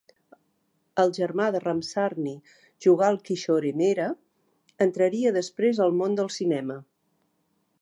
El germà de Ramsarni, Jugal Kishore Mehra, entraria després al món del cinema.